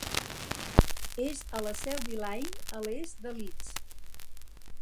És a la Selby Line, a l'est de Leeds.